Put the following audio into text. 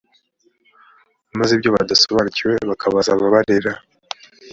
maze ibyo badasobanukiwe bakabaza ababarera